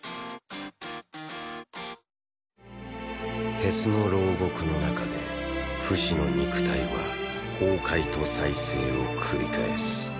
鉄の牢獄の中でフシの肉体は崩壊と再生を繰り返す。